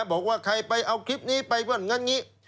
บอกว่าใครไปเอาคลิปนี้ไปเงินเงินนี้